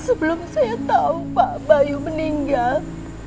sebelum saya tahu pak bayu meninggal